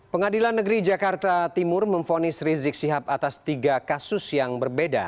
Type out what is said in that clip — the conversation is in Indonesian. pengadilan negeri jakarta timur memfonis rizik sihab atas tiga kasus yang berbeda